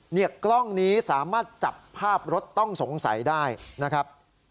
กล้องนี้สามารถจับภาพรถต้องสงสัยได้นะครับ